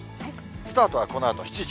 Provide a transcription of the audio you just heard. スタートはこのあと７時。